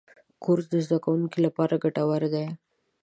کورس د زدهکوونکو لپاره ګټور دی.